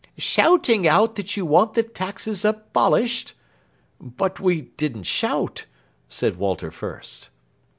" Shouting out that you want the taxes abolished " "But we didn't shout," said Walter Fürst.